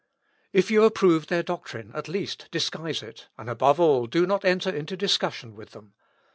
If you approve their doctrine, at least disguise it, and, above all, do not enter into discussion with them.